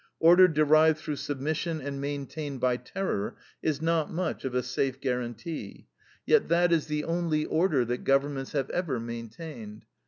Order derived through submission and maintained by terror is not much of a safe guaranty; yet that is the only "order" that governments have ever maintained.